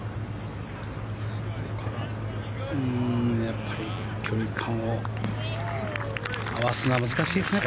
やっぱり距離感を合わせるのが難しいですね